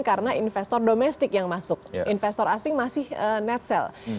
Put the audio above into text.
karena investor domestik yang masuk investor asing masih net sell